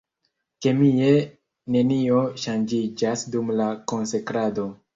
Kemie nenio ŝanĝiĝas dum la konsekrado.